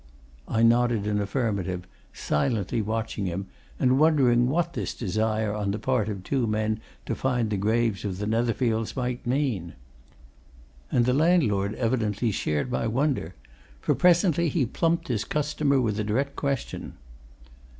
I nodded an affirmative, silently watching him, and wondering what this desire on the part of two men to find the graves of the Netherfields might mean. And the landlord evidently shared my wonder, for presently he plumped his customer with a direct question.